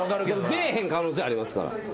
出えへん可能性あります。